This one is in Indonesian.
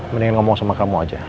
mendingan ngomong sama kamu aja